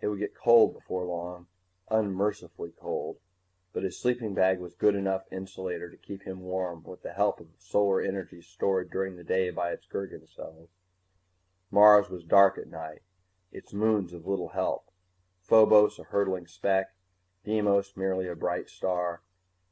It would get cold before long, unmercifully cold, but his sleeping bag was a good enough insulator to keep him warm with the help of solar energy stored during the day by its Gergen cells. Mars was dark at night, its moons of little help Phobos a hurtling speck, Deimos merely a bright star.